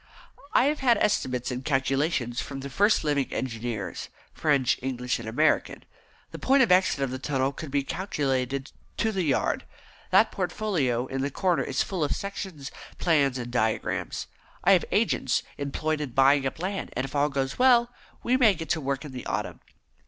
"I have had estimates and calculations from the first living engineers French, English, and American. The point of exit of the tunnel could be calculated to the yard. That portfolio in the corner is full of sections, plans, and diagrams. I have agents employed in buying up land, and if all goes well, we may get to work in the autumn.